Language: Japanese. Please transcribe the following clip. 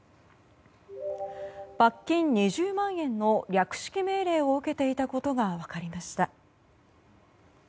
罰金２０万円の略式命令を受けていたことが分かりました。